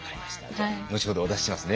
じゃあ後ほどお出ししますね。